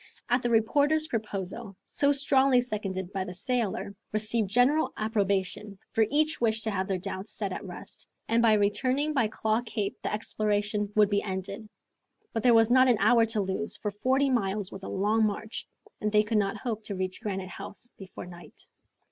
The reporter's proposal, so strongly seconded by the sailor, received general approbation, for each wished to have their doubts set at rest, and by returning by Claw Cape the exploration would be ended. But there was not an hour to lose, for forty miles was a long march, and they could not hope to reach Granite House before night.